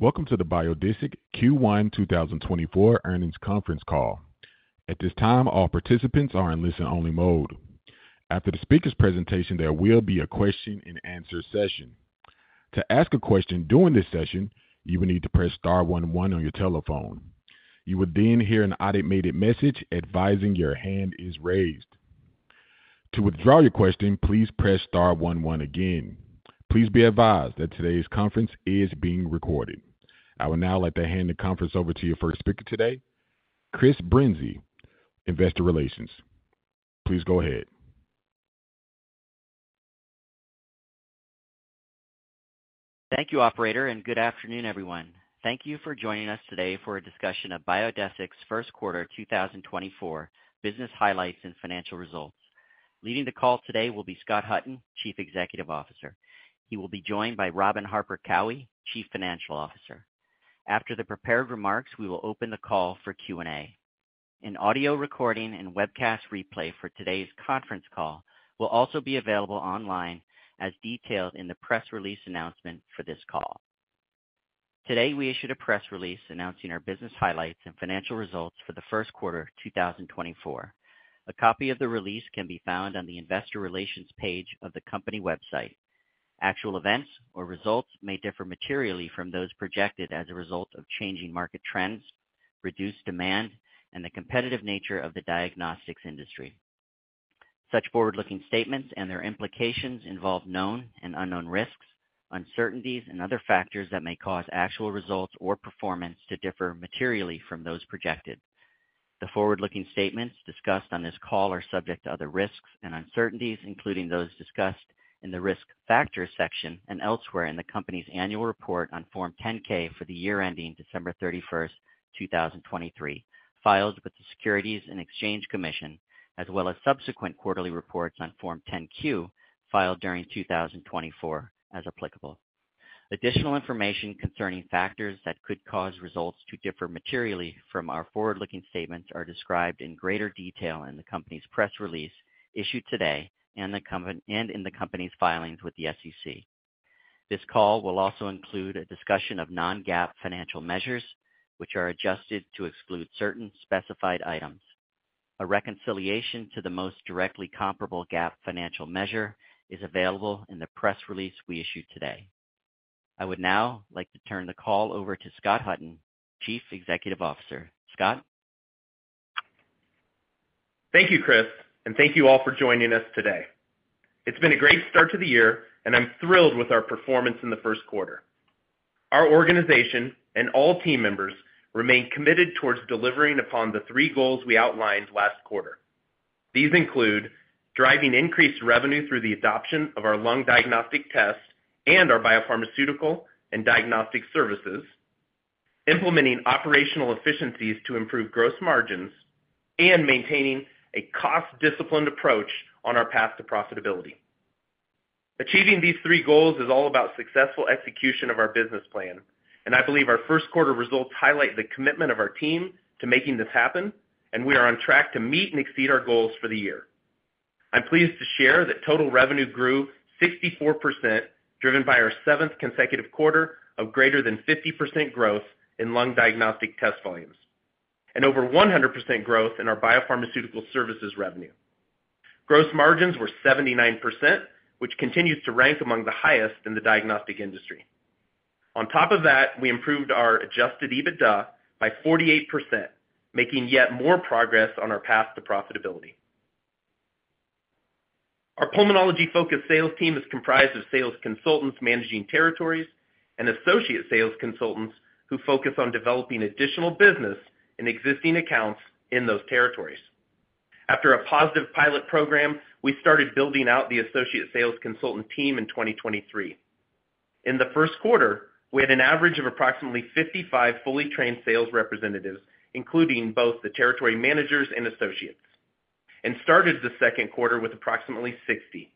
Welcome to the Biodesix Q1 2024 earnings conference call. At this time, all participants are in listen-only mode. After the speaker's presentation, there will be a question-and-answer session. To ask a question during this session, you will need to press star one one on your telephone. You will then hear an automated message advising your hand is raised. To withdraw your question, please press star one one again. Please be advised that today's conference is being recorded. I will now hand the conference over to your first speaker today, Chris Brinzey, Investor Relations. Please go ahead. Thank you, operator, and good afternoon, everyone. Thank you for joining us today for a discussion of Biodesix Q1 2024 business highlights and financial results. Leading the call today will be Scott Hutton, Chief Executive Officer. He will be joined by Robin Harper Cowie, Chief Financial Officer. After the prepared remarks, we will open the call for Q&A. An audio recording and webcast replay for today's conference call will also be available online as detailed in the press release announcement for this call. Today, we issued a press release announcing our business highlights and financial results for the Q1 2024. A copy of the release can be found on the Investor Relations page of the company website. Actual events or results may differ materially from those projected as a result of changing market trends, reduced demand, and the competitive nature of the diagnostics industry. Such forward-looking statements and their implications involve known and unknown risks, uncertainties, and other factors that may cause actual results or performance to differ materially from those projected. The forward-looking statements discussed on this call are subject to other risks and uncertainties, including those discussed in the risk factors section and elsewhere in the company's annual report on Form 10-K for the year ending December 31st, 2023, filed with the Securities and Exchange Commission, as well as subsequent quarterly reports on Form 10-Q filed during 2024 as applicable. Additional information concerning factors that could cause results to differ materially from our forward-looking statements are described in greater detail in the company's press release issued today and in the company's filings with the SEC. This call will also include a discussion of non-GAAP financial measures, which are adjusted to exclude certain specified items. A reconciliation to the most directly comparable GAAP financial measure is available in the press release we issued today. I would now like to turn the call over to Scott Hutton, Chief Executive Officer. Scott? Thank you, Chris, and thank you all for joining us today. It's been a great start to the year, and I'm thrilled with our performance in the Q1. Our organization and all team members remain committed towards delivering upon the three goals we outlined last quarter. These include driving increased revenue through the adoption of our lung diagnostic test and our biopharmaceutical and diagnostic services, implementing operational efficiencies to improve gross margins, and maintaining a cost-disciplined approach on our path to profitability. Achieving these three goals is all about successful execution of our business plan, and I believe our Q1 results highlight the commitment of our team to making this happen, and we are on track to meet and exceed our goals for the year. I'm pleased to share that total revenue grew 64%, driven by our seventh consecutive quarter of greater than 50% growth in lung diagnostic test volumes and over 100% growth in our Biopharmaceutical Services revenue. Gross margins were 79%, which continues to rank among the highest in the diagnostic industry. On top of that, we improved our Adjusted EBITDA by 48%, making yet more progress on our path to profitability. Our pulmonology-focused sales team is comprised of sales consultants managing territories and associate sales consultants who focus on developing additional business in existing accounts in those territories. After a positive pilot program, we started building out the associate sales consultant team in 2023. In the Q1, we had an average of approximately 55 fully trained sales representatives, including both the territory managers and associates, and started the Q2 with approximately 60.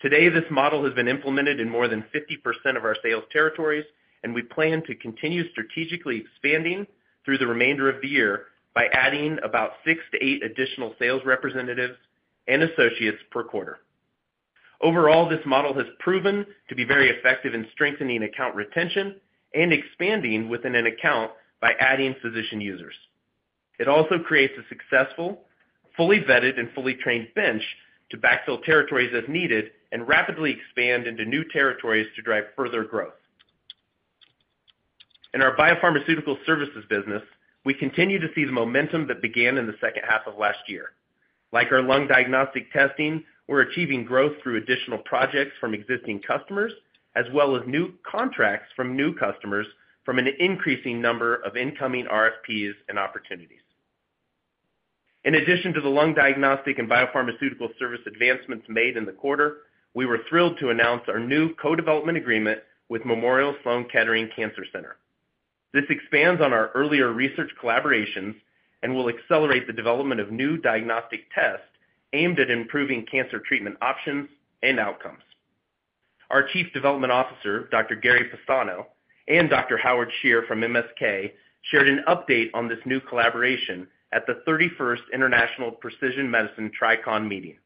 Today, this model has been implemented in more than 50% of our sales territories, and we plan to continue strategically expanding through the remainder of the year by adding about 6-8 additional sales representatives and associates per quarter. Overall, this model has proven to be very effective in strengthening account retention and expanding within an account by adding physician users. It also creates a successful, fully vetted, and fully trained bench to backfill territories as needed and rapidly expand into new territories to drive further growth. In our biopharmaceutical services business, we continue to see the momentum that began in the second half of last year. Like our lung diagnostic testing, we're achieving growth through additional projects from existing customers as well as new contracts from new customers from an increasing number of incoming RFPs and opportunities. In addition to the lung diagnostic and biopharmaceutical service advancements made in the quarter, we were thrilled to announce our new co-development agreement with Memorial Sloan Kettering Cancer Center. This expands on our earlier research collaborations and will accelerate the development of new diagnostic tests aimed at improving cancer treatment options and outcomes. Our Chief Development Officer, Dr. Gary Pestano, and Dr. Howard Scher from MSK shared an update on this new collaboration at the 31st International Precision Medicine Tri-Con meeting.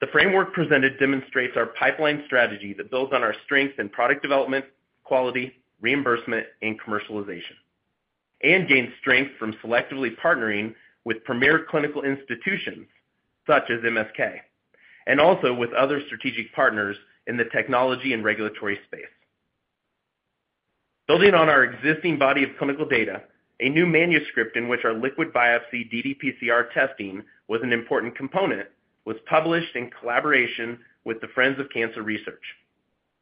The framework presented demonstrates our pipeline strategy that builds on our strengths in product development, quality, reimbursement, and commercialization, and gains strength from selectively partnering with premier clinical institutions such as MSK and also with other strategic partners in the technology and regulatory space. Building on our existing body of clinical data, a new manuscript in which our Liquid Biopsy ddPCR testing was an important component was published in collaboration with the Friends of Cancer Research,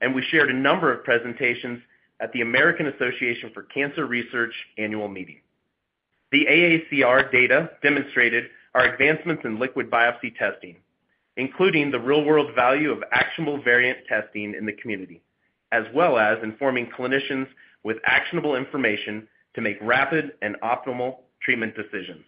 and we shared a number of presentations at the American Association for Cancer Research annual meeting. The AACR data demonstrated our advancements in Liquid Biopsy testing, including the real-world value of actionable variant testing in the community, as well as informing clinicians with actionable information to make rapid and optimal treatment decisions.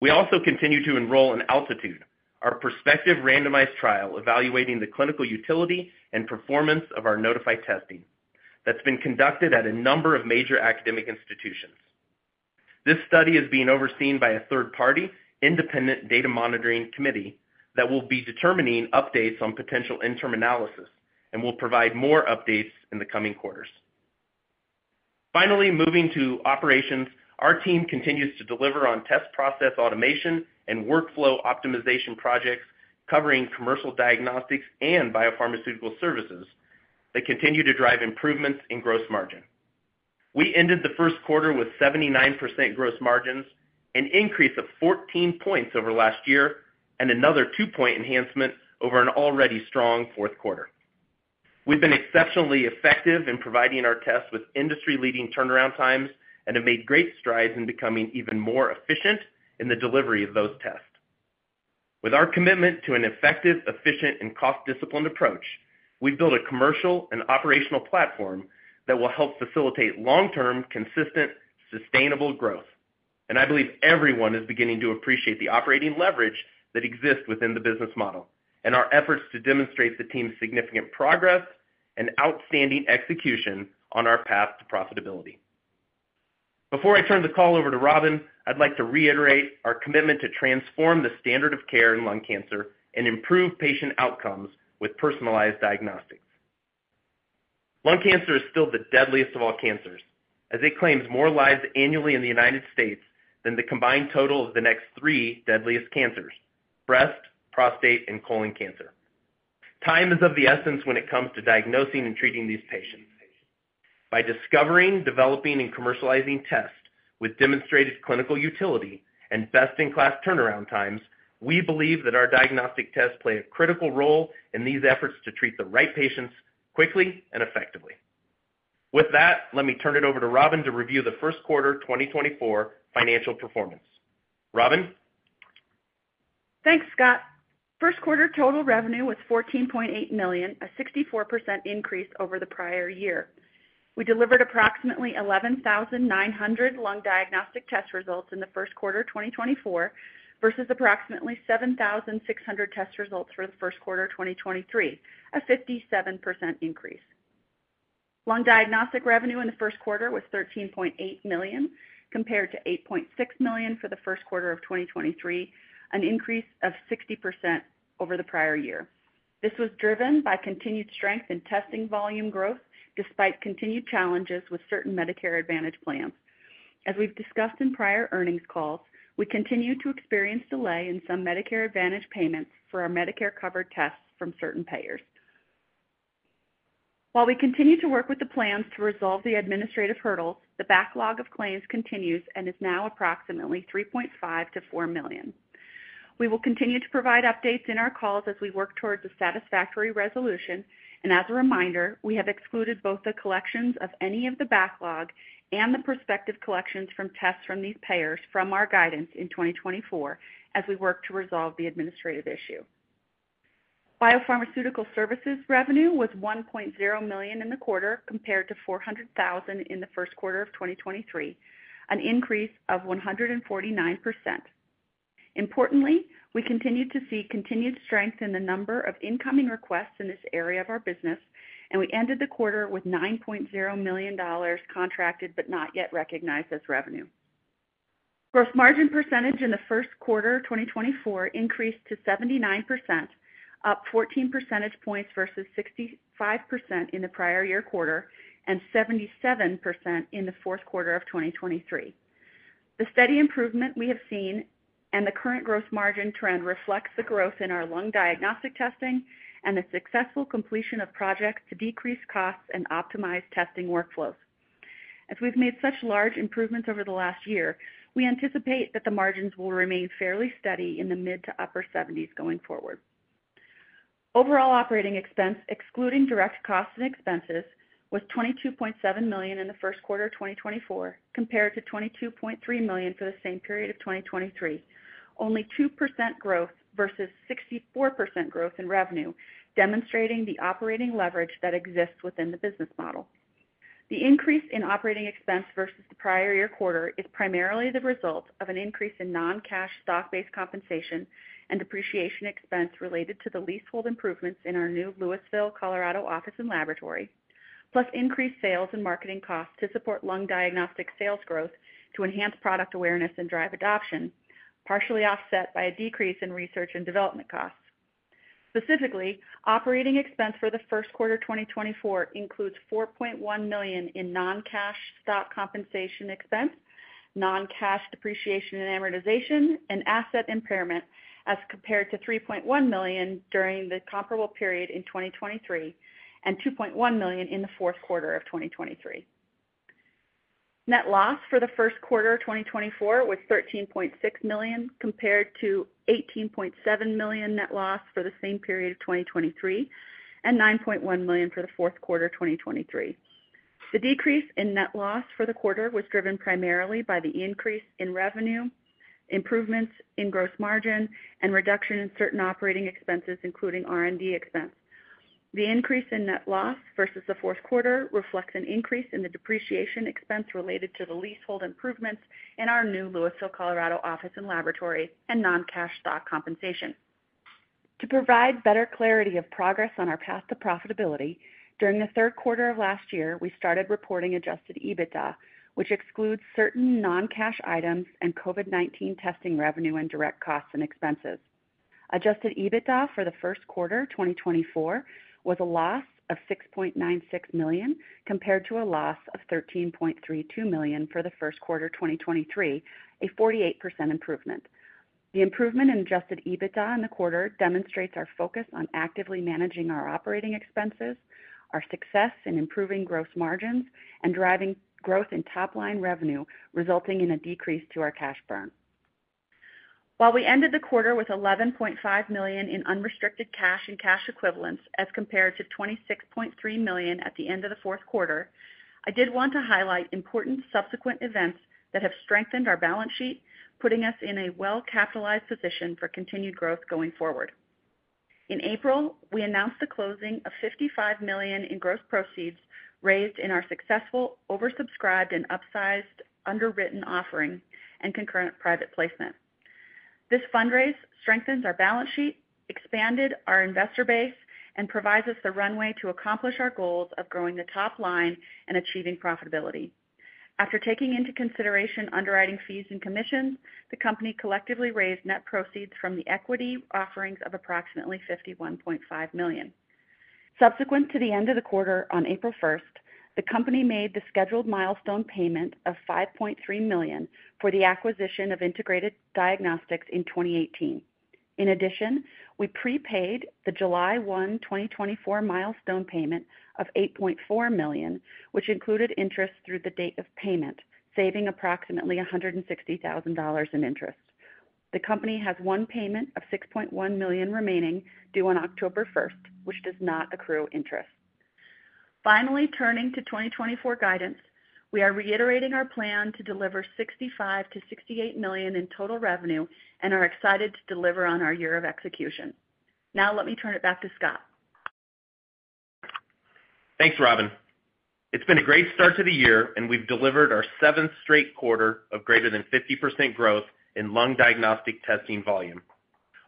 We also continue to enroll in ALTITUDE, our prospective randomized trial evaluating the clinical utility and performance of our Nodify testing that's been conducted at a number of major academic institutions. This study is being overseen by a third-party independent data monitoring committee that will be determining updates on potential internal analysis and will provide more updates in the coming quarters. Finally, moving to operations, our team continues to deliver on test process automation and workflow optimization projects covering commercial diagnostics and biopharmaceutical services that continue to drive improvements in gross margin. We ended the Q1 with 79% gross margins, an increase of 14 points over last year, and another 2-point enhancement over an already strong Q4. We've been exceptionally effective in providing our tests with industry-leading turnaround times and have made great strides in becoming even more efficient in the delivery of those tests. With our commitment to an effective, efficient, and cost-disciplined approach, we've built a commercial and operational platform that will help facilitate long-term, consistent, sustainable growth. And I believe everyone is beginning to appreciate the operating leverage that exists within the business model and our efforts to demonstrate the team's significant progress and outstanding execution on our path to profitability. Before I turn the call over to Robin, I'd like to reiterate our commitment to transform the standard of care in lung cancer and improve patient outcomes with personalized diagnostics. Lung cancer is still the deadliest of all cancers as it claims more lives annually in the United States than the combined total of the next three deadliest cancers: breast, prostate, and colon cancer. Time is of the essence when it comes to diagnosing and treating these patients. By discovering, developing, and commercializing tests with demonstrated clinical utility and best-in-class turnaround times, we believe that our diagnostic tests play a critical role in these efforts to treat the right patients quickly and effectively. With that, let me turn it over to Robin to review the Q1 2024 financial performance. Robin? Thanks, Scott. Q1 total revenue was $14.8 million, a 64% increase over the prior year. We delivered approximately 11,900 lung diagnostic test results in the Q1 2024 versus approximately 7,600 test results for the Q1 2023, a 57% increase. Lung diagnostic revenue in the Q1 was $13.8 million compared to $8.6 million for the Q1 of 2023, an increase of 60% over the prior year. This was driven by continued strength in testing volume growth despite continued challenges with certain Medicare Advantage plans. As we've discussed in prior earnings calls, we continue to experience delay in some Medicare Advantage payments for our Medicare-covered tests from certain payers. While we continue to work with the plans to resolve the administrative hurdles, the backlog of claims continues and is now approximately $3.5 million-$4 million. We will continue to provide updates in our calls as we work towards a satisfactory resolution. As a reminder, we have excluded both the collections of any of the backlog and the prospective collections from tests from these payers from our guidance in 2024 as we work to resolve the administrative issue. Biopharmaceutical Services revenue was $1.0 million in the quarter compared to $400,000 in the Q1 of 2023, an increase of 149%. Importantly, we continue to see continued strength in the number of incoming requests in this area of our business, and we ended the quarter with $9.0 million contracted but not yet recognized as revenue. Gross margin percentage in the Q1 2024 increased to 79%, up 14 percentage points versus 65% in the prior year quarter and 77% in the Q4 of 2023. The steady improvement we have seen and the current gross margin trend reflects the growth in our lung diagnostic testing and the successful completion of projects to decrease costs and optimize testing workflows. As we've made such large improvements over the last year, we anticipate that the margins will remain fairly steady in the mid- to upper-70s% going forward. Overall operating expense, excluding direct costs and expenses, was $22.7 million in the Q1 2024 compared to $22.3 million for the same period of 2023, only 2% growth versus 64% growth in revenue, demonstrating the operating leverage that exists within the business model. The increase in operating expense versus the prior year quarter is primarily the result of an increase in non-cash stock-based compensation and depreciation expense related to the leasehold improvements in our new Louisville, Colorado office and laboratory, plus increased sales and marketing costs to support lung diagnostic sales growth to enhance product awareness and drive adoption, partially offset by a decrease in research and development costs. Specifically, operating expense for the Q1 2024 includes $4.1 million in non-cash stock compensation expense, non-cash depreciation and amortization, and asset impairment as compared to $3.1 million during the comparable period in 2023 and $2.1 million in the Q4 of 2023. Net loss for the Q1 2024 was $13.6 million compared to $18.7 million net loss for the same period of 2023 and $9.1 million for the Q4 2023. The decrease in net loss for the quarter was driven primarily by the increase in revenue, improvements in gross margin, and reduction in certain operating expenses, including R&D expense. The increase in net loss versus the Q4 reflects an increase in the depreciation expense related to the leasehold improvements in our new Louisville, Colorado office and laboratory and non-cash stock compensation. To provide better clarity of progress on our path to profitability, during the Q3 of last year, we started reporting Adjusted EBITDA, which excludes certain non-cash items and COVID-19 testing revenue and direct costs and expenses. Adjusted EBITDA for the Q1 2024 was a loss of $6.96 million compared to a loss of $13.32 million for the Q1 2023, a 48% improvement. The improvement in adjusted EBITDA in the quarter demonstrates our focus on actively managing our operating expenses, our success in improving gross margins, and driving growth in top-line revenue resulting in a decrease to our cash burn. While we ended the quarter with $11.5 million in unrestricted cash and cash equivalents as compared to $26.3 million at the end of the Q4, I did want to highlight important subsequent events that have strengthened our balance sheet, putting us in a well-capitalized position for continued growth going forward. In April, we announced the closing of $55 million in gross proceeds raised in our successful oversubscribed and upsized underwritten offering and concurrent private placement. This fundraise strengthens our balance sheet, expanded our investor base, and provides us the runway to accomplish our goals of growing the top line and achieving profitability. After taking into consideration underwriting fees and commissions, the company collectively raised net proceeds from the equity offerings of approximately $51.5 million. Subsequent to the end of the quarter on April 1st, the company made the scheduled milestone payment of $5.3 million for the acquisition of Integrated Diagnostics in 2018. In addition, we prepaid the July 1, 2024, milestone payment of $8.4 million, which included interest through the date of payment, saving approximately $160,000 in interest. The company has one payment of $6.1 million remaining due on October 1st, which does not accrue interest. Finally, turning to 2024 guidance, we are reiterating our plan to deliver $65 million-$68 million in total revenue and are excited to deliver on our year of execution. Now, let me turn it back to Scott. Thanks, Robin. It's been a great start to the year, and we've delivered our seventh straight quarter of greater than 50% growth in lung diagnostic testing volume,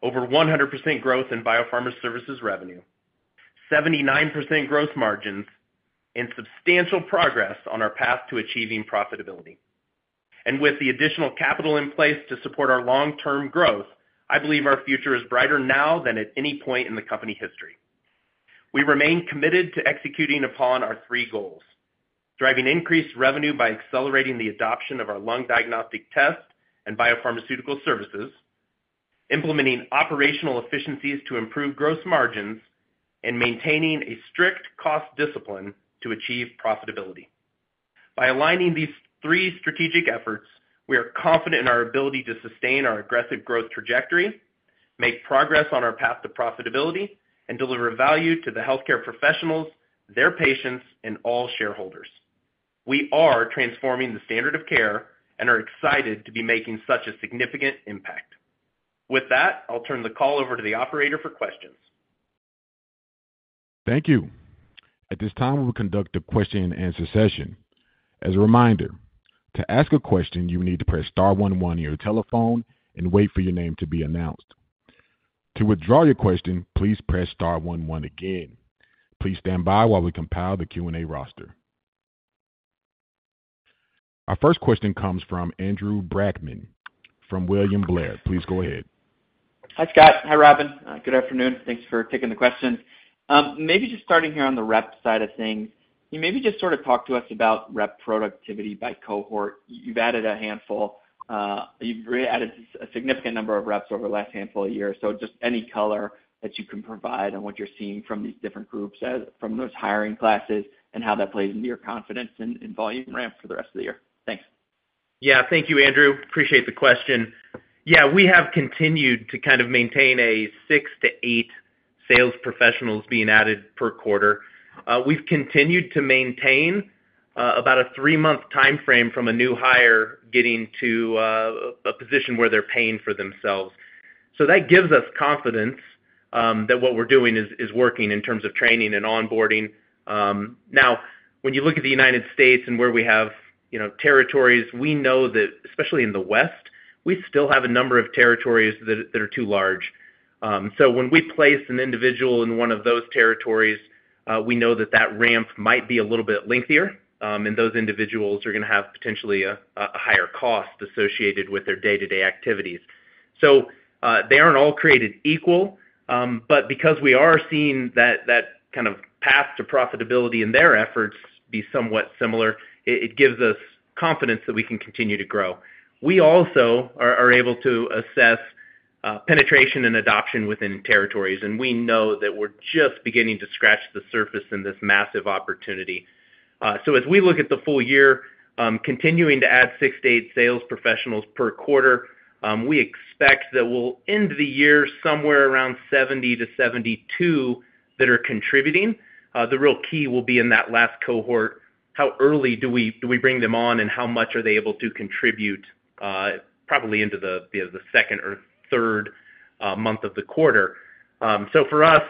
over 100% growth in biopharma services revenue, 79% gross margins, and substantial progress on our path to achieving profitability. With the additional capital in place to support our long-term growth, I believe our future is brighter now than at any point in the company history. We remain committed to executing upon our three goals: driving increased revenue by accelerating the adoption of our lung diagnostic test and biopharmaceutical services, implementing operational efficiencies to improve gross margins, and maintaining a strict cost discipline to achieve profitability. By aligning these three strategic efforts, we are confident in our ability to sustain our aggressive growth trajectory, make progress on our path to profitability, and deliver value to the healthcare professionals, their patients, and all shareholders. We are transforming the standard of care and are excited to be making such a significant impact. With that, I'll turn the call over to the operator for questions. Thank you. At this time, we will conduct a question-and-answer session. As a reminder, to ask a question, you will need to press star one one on your telephone and wait for your name to be announced. To withdraw your question, please press star one one again. Please stand by while we compile the Q&A roster. Our first question comes from Andrew Brackmann from William Blair. Please go ahead. Hi, Scott. Hi, Robin. Good afternoon. Thanks for taking the question. Maybe just starting here on the rep side of things, maybe just sort of talk to us about rep productivity by cohort. You've added a handful. You've added a significant number of reps over the last handful of years. So just any color that you can provide on what you're seeing from these different groups, from those hiring classes, and how that plays into your confidence in volume ramp for the rest of the year. Thanks. Yeah. Thank you, Andrew. Appreciate the question. Yeah, we have continued to kind of maintain 6-8 sales professionals being added per quarter. We've continued to maintain about a 3-month time frame from a new hire getting to a position where they're paying for themselves. So that gives us confidence that what we're doing is working in terms of training and onboarding. Now, when you look at the United States and where we have territories, we know that, especially in the West, we still have a number of territories that are too large. So when we place an individual in one of those territories, we know that that ramp might be a little bit lengthier, and those individuals are going to have potentially a higher cost associated with their day-to-day activities. They aren't all created equal, but because we are seeing that kind of path to profitability in their efforts be somewhat similar, it gives us confidence that we can continue to grow. We also are able to assess penetration and adoption within territories, and we know that we're just beginning to scratch the surface in this massive opportunity. As we look at the full year, continuing to add 6-8 sales professionals per quarter, we expect that we'll end the year somewhere around 70-72 that are contributing. The real key will be in that last cohort, how early do we bring them on, and how much are they able to contribute, probably into the second or third month of the quarter. So for us,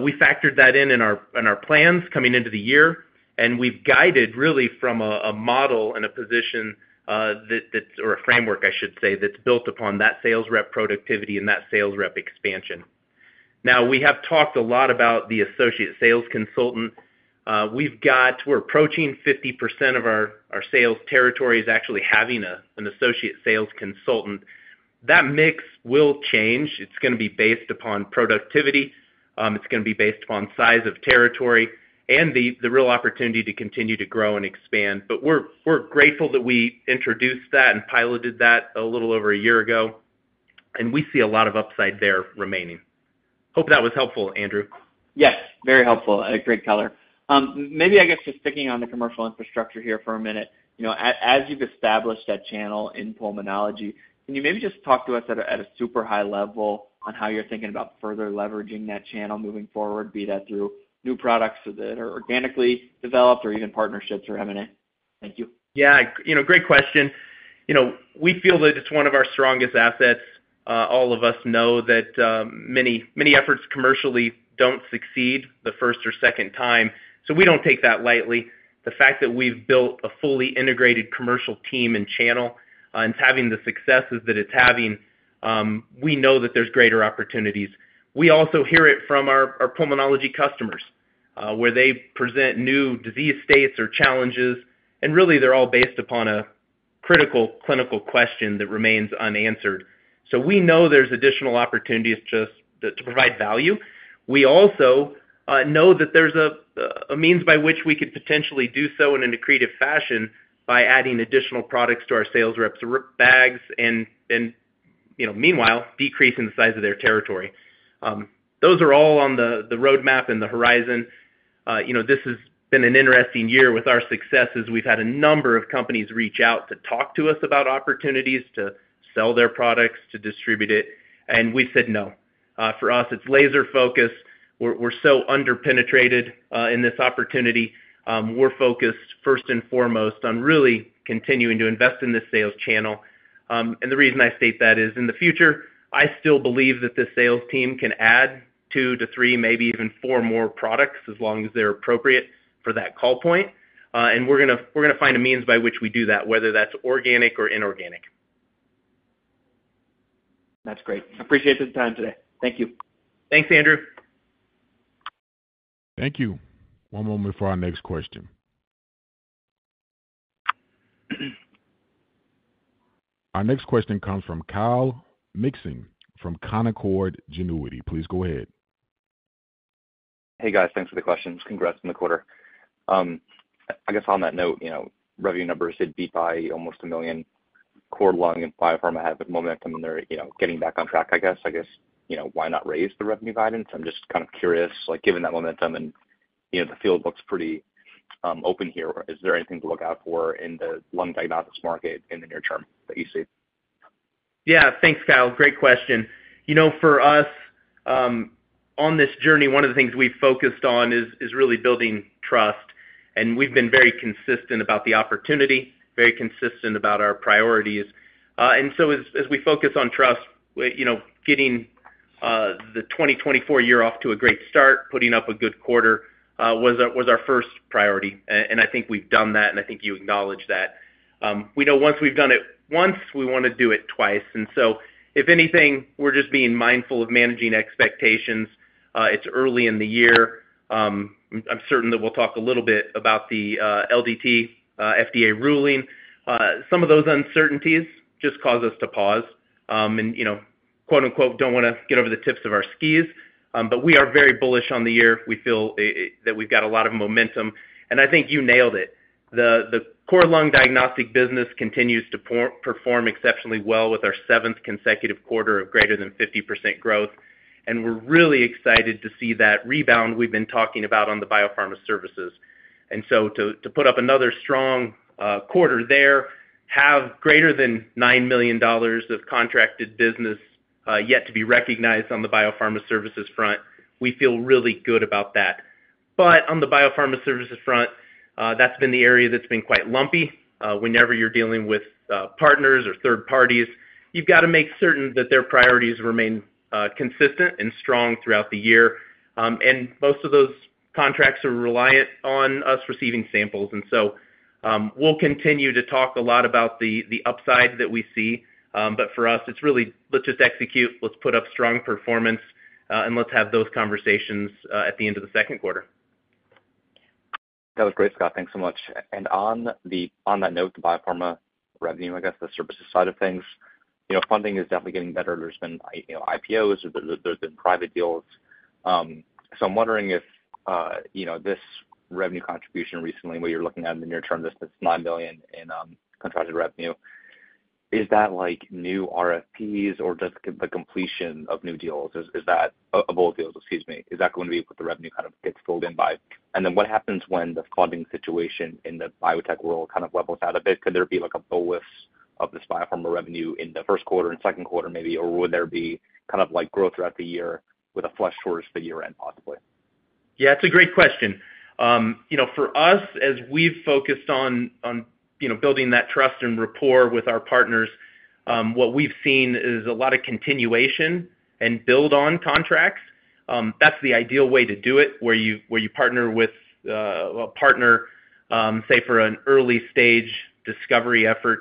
we factored that in in our plans coming into the year, and we've guided really from a model and a position that's or a framework, I should say, that's built upon that sales rep productivity and that sales rep expansion. Now, we have talked a lot about the associate sales consultant. We're approaching 50% of our sales territories actually having an associate sales consultant. That mix will change. It's going to be based upon productivity. It's going to be based upon size of territory and the real opportunity to continue to grow and expand. But we're grateful that we introduced that and piloted that a little over a year ago, and we see a lot of upside there remaining. Hope that was helpful, Andrew. Yes, very helpful. A great color. Maybe, I guess, just sticking on the commercial infrastructure here for a minute, as you've established that channel in pulmonology, can you maybe just talk to us at a super high level on how you're thinking about further leveraging that channel moving forward, be that through new products that are organically developed or even partnerships or M&A? Thank you. Yeah, great question. We feel that it's one of our strongest assets. All of us know that many efforts commercially don't succeed the first or second time, so we don't take that lightly. The fact that we've built a fully integrated commercial team and channel and having the successes that it's having, we know that there's greater opportunities. We also hear it from our pulmonology customers where they present new disease states or challenges, and really, they're all based upon a critical clinical question that remains unanswered. So we know there's additional opportunities just to provide value. We also know that there's a means by which we could potentially do so in a accretive fashion by adding additional products to our sales rep's bags and, meanwhile, decreasing the size of their territory. Those are all on the roadmap and the horizon. This has been an interesting year with our success as we've had a number of companies reach out to talk to us about opportunities to sell their products, to distribute it, and we've said no. For us, it's laser-focused. We're so under-penetrated in this opportunity. We're focused, first and foremost, on really continuing to invest in this sales channel. The reason I state that is, in the future, I still believe that this sales team can add 2-3, maybe even 4 more products as long as they're appropriate for that call point, and we're going to find a means by which we do that, whether that's organic or inorganic. That's great. Appreciate the time today. Thank you. Thanks, Andrew. Thank you. One moment before our next question. Our next question comes from Kyle Mikson from Canaccord Genuity. Please go ahead. Hey, guys. Thanks for the questions. Congrats on the quarter. I guess on that note, revenue numbers did beat by almost $1 million. Core lung and biopharma have momentum, and they're getting back on track, I guess. I guess why not raise the revenue guidance? I'm just kind of curious. Given that momentum and the field looks pretty open here, is there anything to look out for in the lung diagnostics market in the near term that you see? Yeah. Thanks, Kyle. Great question. For us, on this journey, one of the things we've focused on is really building trust, and we've been very consistent about the opportunity, very consistent about our priorities. And so as we focus on trust, getting the 2024 year off to a great start, putting up a good quarter was our first priority, and I think we've done that, and I think you acknowledge that. We know once we've done it once, we want to do it twice. And so if anything, we're just being mindful of managing expectations. It's early in the year. I'm certain that we'll talk a little bit about the LDT FDA ruling. Some of those uncertainties just cause us to pause and "don't want to get over the tips of our skis." But we are very bullish on the year. We feel that we've got a lot of momentum. And I think you nailed it. The core lung diagnostic business continues to perform exceptionally well with our seventh consecutive quarter of greater than 50% growth, and we're really excited to see that rebound we've been talking about on the biopharma services. And so to put up another strong quarter there, have greater than $9 million of contracted business yet to be recognized on the biopharma services front, we feel really good about that. But on the biopharma services front, that's been the area that's been quite lumpy. Whenever you're dealing with partners or third parties, you've got to make certain that their priorities remain consistent and strong throughout the year. And most of those contracts are reliant on us receiving samples. And so we'll continue to talk a lot about the upside that we see, but for us, it's really, "Let's just execute. Let's put up strong performance, and let's have those conversations at the end of the Q2. That was great, Scott. Thanks so much. On that note, the biopharma revenue, I guess, the services side of things, funding is definitely getting better. There's been IPOs, or there's been private deals. So I'm wondering if this revenue contribution recently, what you're looking at in the near term, this $9 million in contracted revenue, is that new RFPs or just the completion of new deals? Is that of old deals? Excuse me. Is that going to be what the revenue kind of gets pulled in by? And then what happens when the funding situation in the biotech world kind of levels out a bit? Could there be a boost of this biopharma revenue in the Q1, in Q2 maybe, or would there be kind of growth throughout the year with a flush towards the year-end, possibly? Yeah, it's a great question. For us, as we've focused on building that trust and rapport with our partners, what we've seen is a lot of continuation and build-on contracts. That's the ideal way to do it, where you partner with a partner, say, for an early-stage discovery effort.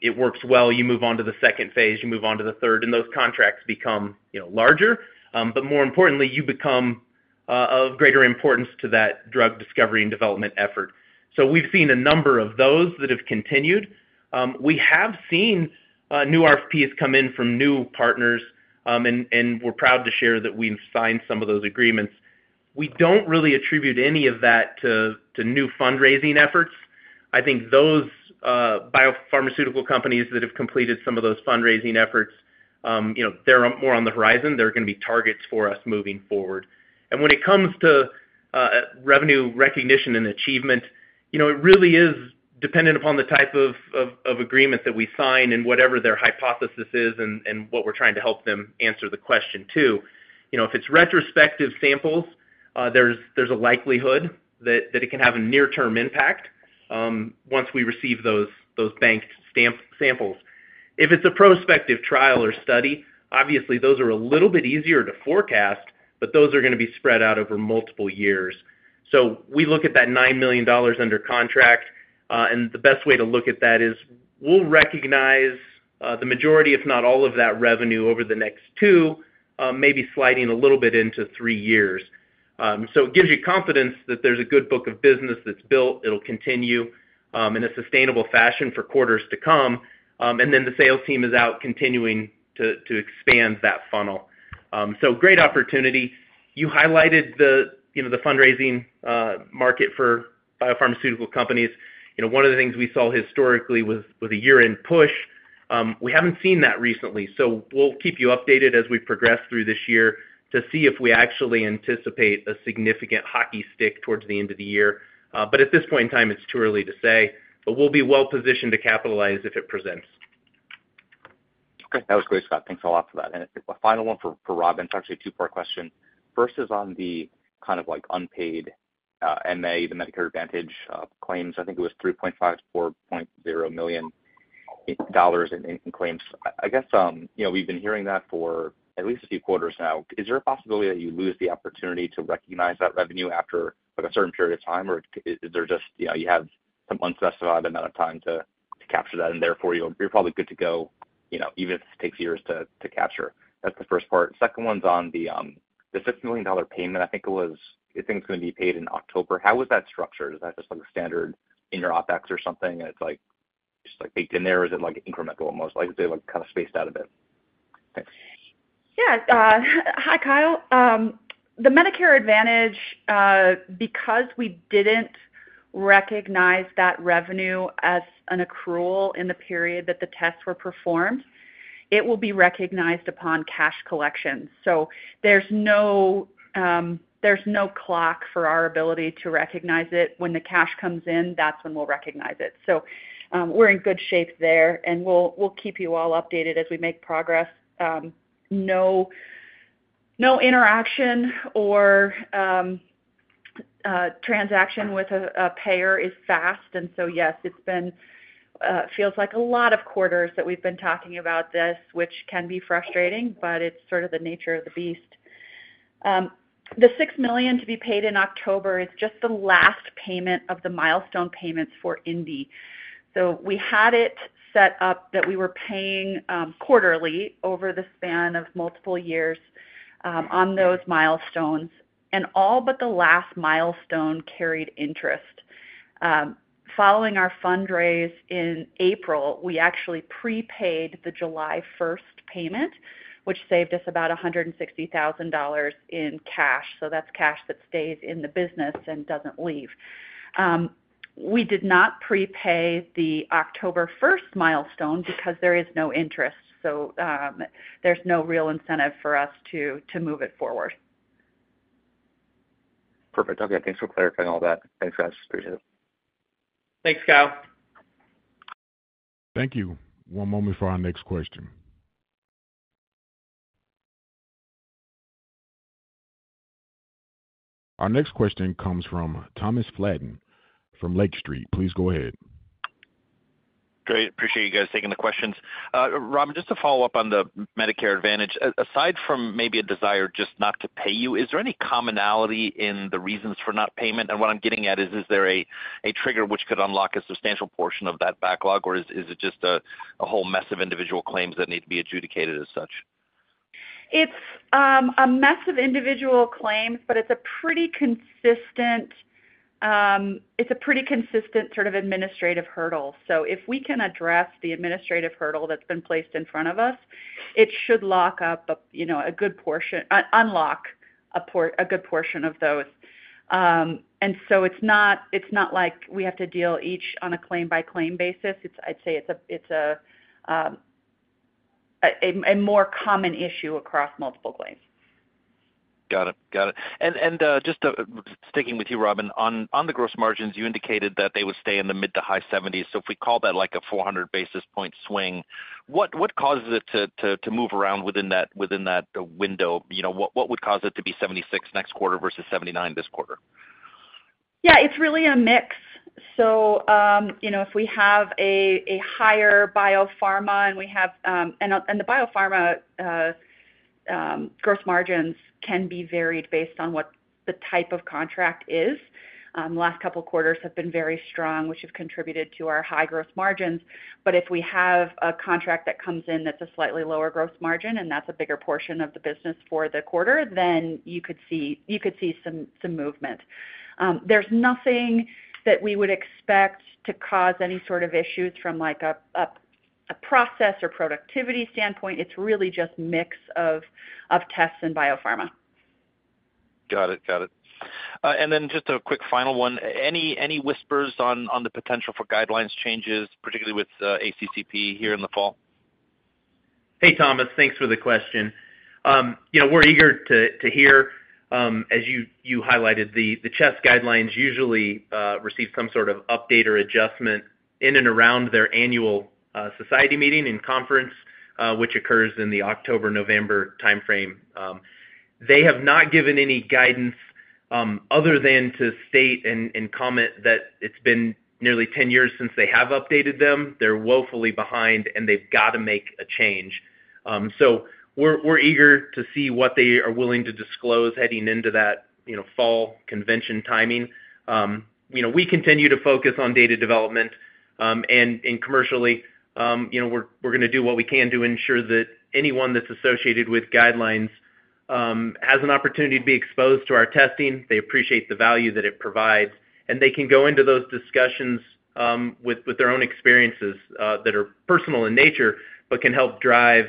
It works well. You move on to the second phase. You move on to the third, and those contracts become larger. But more importantly, you become of greater importance to that drug discovery and development effort. So we've seen a number of those that have continued. We have seen new RFPs come in from new partners, and we're proud to share that we've signed some of those agreements. We don't really attribute any of that to new fundraising efforts. I think those biopharmaceutical companies that have completed some of those fundraising efforts, they're more on the horizon. They're going to be targets for us moving forward. When it comes to revenue recognition and achievement, it really is dependent upon the type of agreement that we sign and whatever their hypothesis is and what we're trying to help them answer the question to. If it's retrospective samples, there's a likelihood that it can have a near-term impact once we receive those banked samples. If it's a prospective trial or study, obviously, those are a little bit easier to forecast, but those are going to be spread out over multiple years. We look at that $9 million under contract, and the best way to look at that is we'll recognize the majority, if not all, of that revenue over the next two, maybe sliding a little bit into three years. It gives you confidence that there's a good book of business that's built. It'll continue in a sustainable fashion for quarters to come. And then the sales team is out continuing to expand that funnel. So great opportunity. You highlighted the fundraising market for biopharmaceutical companies. One of the things we saw historically was a year-end push. We haven't seen that recently, so we'll keep you updated as we progress through this year to see if we actually anticipate a significant hockey stick towards the end of the year. But at this point in time, it's too early to say. But we'll be well-positioned to capitalize if it presents. Okay. That was great, Scott. Thanks a lot for that. And a final one for Robin. It's actually a two-part question. First is on the kind of unpaid MA, the Medicare Advantage claims. I think it was $3.5 million-$4.0 million in claims. I guess we've been hearing that for at least a few quarters now. Is there a possibility that you lose the opportunity to recognize that revenue after a certain period of time, or is there just you have some unspecified amount of time to capture that, and therefore, you're probably good to go even if it takes years to capture? That's the first part. Second one's on the $6 million payment. I think it was I think it's going to be paid in October. How is that structured? Is that just a standard in your OpEx or something, and it's just baked in there, or is it incremental almost? Is it kind of spaced out a bit? Yeah. Hi, Kyle. The Medicare Advantage, because we didn't recognize that revenue as an accrual in the period that the tests were performed, it will be recognized upon cash collection. So there's no clock for our ability to recognize it. When the cash comes in, that's when we'll recognize it. So we're in good shape there, and we'll keep you all updated as we make progress. No interaction or transaction with a payer is fast. And so yes, it feels like a lot of quarters that we've been talking about this, which can be frustrating, but it's sort of the nature of the beast. The $6 million to be paid in October is just the last payment of the milestone payments for Indi. So we had it set up that we were paying quarterly over the span of multiple years on those milestones, and all but the last milestone carried interest. Following our fundraise in April, we actually prepaid the July 1st payment, which saved us about $160,000 in cash. So that's cash that stays in the business and doesn't leave. We did not prepay the October 1st milestone because there is no interest. So there's no real incentive for us to move it forward. Perfect. Okay. Thanks for clarifying all that. Thanks, guys. Appreciate it. Thanks, Kyle. Thank you. One moment before our next question. Our next question comes from Thomas Flaten from Lake Street. Please go ahead. Great. Appreciate you guys taking the questions. Robin, just to follow up on the Medicare Advantage, aside from maybe a desire just not to pay you, is there any commonality in the reasons for not payment? And what I'm getting at is, is there a trigger which could unlock a substantial portion of that backlog, or is it just a whole mess of individual claims that need to be adjudicated as such? It's a mess of individual claims, but it's a pretty consistent sort of administrative hurdle. So if we can address the administrative hurdle that's been placed in front of us, it should unlock a good portion of those. And so it's not like we have to deal each on a claim-by-claim basis. I'd say it's a more common issue across multiple claims. Got it. Got it. Just sticking with you, Robin, on the gross margins, you indicated that they would stay in the mid- to high 70s. So if we call that a 400 basis points swing, what causes it to move around within that window? What would cause it to be 76 next quarter versus 79 this quarter? Yeah. It's really a mix. So if we have a higher biopharma and we have the biopharma gross margins can be varied based on what the type of contract is. The last couple of quarters have been very strong, which have contributed to our high gross margins. But if we have a contract that comes in that's a slightly lower gross margin, and that's a bigger portion of the business for the quarter, then you could see some movement. There's nothing that we would expect to cause any sort of issues from a process or productivity standpoint. It's really just mix of tests and biopharma. Got it. Got it. And then just a quick final one. Any whispers on the potential for guidelines changes, particularly with ACCP here in the fall? Hey, Thomas. Thanks for the question. We're eager to hear. As you highlighted, the CHEST guidelines usually receive some sort of update or adjustment in and around their annual society meeting and conference, which occurs in the October-November timeframe. They have not given any guidance other than to state and comment that it's been nearly 10 years since they have updated them. They're woefully behind, and they've got to make a change. So we're eager to see what they are willing to disclose heading into that fall convention timing. We continue to focus on data development, and commercially, we're going to do what we can to ensure that anyone that's associated with guidelines has an opportunity to be exposed to our testing. They appreciate the value that it provides, and they can go into those discussions with their own experiences that are personal in nature but can help drive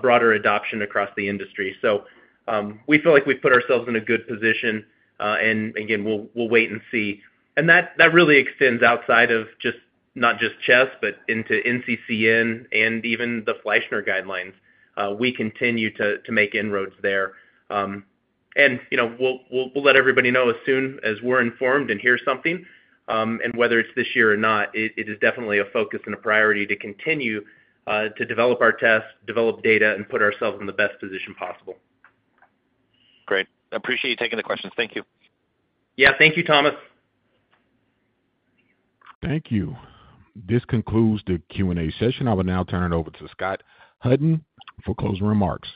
broader adoption across the industry. So we feel like we've put ourselves in a good position. And again, we'll wait and see. And that really extends outside of just not just CHEST but into NCCN and even the Fleischner guidelines. We continue to make inroads there. And we'll let everybody know as soon as we're informed and hear something. And whether it's this year or not, it is definitely a focus and a priority to continue to develop our tests, develop data, and put ourselves in the best position possible. Great. Appreciate you taking the questions. Thank you. Yeah. Thank you, Thomas. Thank you. This concludes the Q&A session. I will now turn it over to Scott Hutton for closing remarks.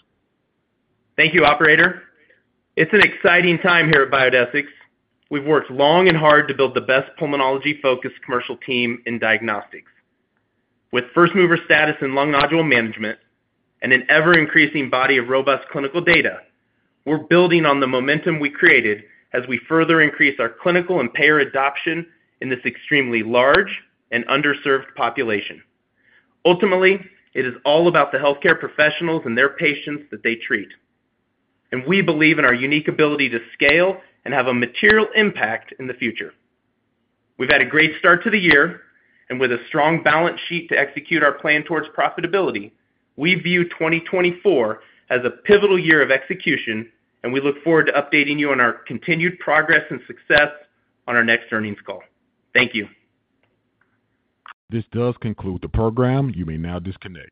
Thank you, operator. It's an exciting time here at Biodesix. We've worked long and hard to build the best pulmonology-focused commercial team in diagnostics. With first-mover status in lung nodule management and an ever-increasing body of robust clinical data, we're building on the momentum we created as we further increase our clinical and payer adoption in this extremely large and underserved population. Ultimately, it is all about the healthcare professionals and their patients that they treat. We believe in our unique ability to scale and have a material impact in the future. We've had a great start to the year, and with a strong balance sheet to execute our plan towards profitability, we view 2024 as a pivotal year of execution, and we look forward to updating you on our continued progress and success on our next earnings call. Thank you. This does conclude the program. You may now disconnect.